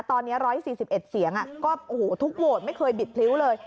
ตอนนี้๑๔๑เสียงก็ทุกโหวตไม่เคยบิดพริ้วเลย